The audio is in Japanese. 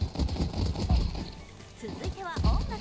続いては音楽。